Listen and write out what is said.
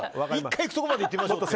１回行くところまで行ってみましょう。